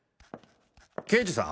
刑事さん？